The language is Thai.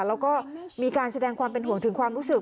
แล้วก็มีการแสดงความเป็นห่วงถึงความรู้สึก